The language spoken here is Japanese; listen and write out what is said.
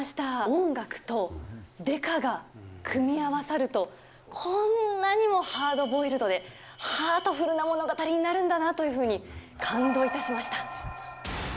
音楽と刑事が組み合わさると、こんなにもハードボイルドで、ハートフルな物語になるんだなというふうに感動いたしました。